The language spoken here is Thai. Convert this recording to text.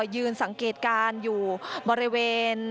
ยืนสังเกตการณ์อยู่บริเวณ